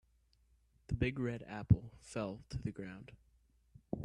The big red apple fell to the ground.